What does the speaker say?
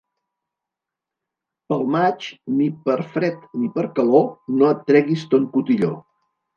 Pel maig, ni per fred ni per calor, no et treguis ton cotilló.